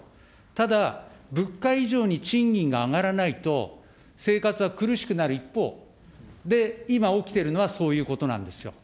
ただ、物価以上に賃金が上がらないと、生活は苦しくなる一方で、今、起きてるのはそういうことなんですよ。